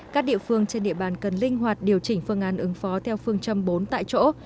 các địa phương trên địa bàn cần linh hoạt điều chỉnh phương án ứng phó theo phương châm bốn tại chỗ